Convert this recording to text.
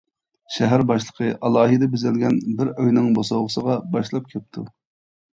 شەھەر باشلىقى ئالاھىدە بېزەلگەن بىر ئۆينىڭ بوسۇغىسىغا باشلاپ كەپتۇ.